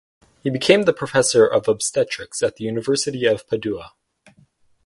He became the professor of obstetrics at the University of Padua.